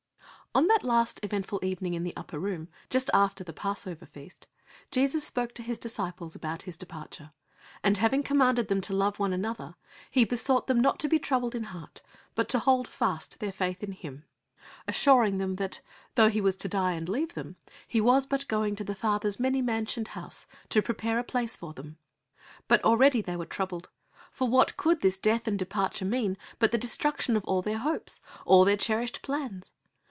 On that last eventful evening in the upper room, just after the Passover feast, Jesus spoke to His disciples about His departure, and, having commanded them to love one another, He besought them not to be troubled in heart, but to hold fast their faith in Him, assuring them that, though He was to die and leave them, He was but going to the Father's many mansioned house to prepare a place for them. But already they were troubled, for what could this death and departure mean but the destruction of all their hopes, of all their cherished plans?